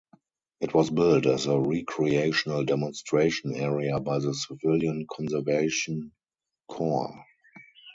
It was built as a Recreational Demonstration Area by the Civilian Conservation Corps.